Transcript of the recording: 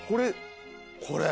これ。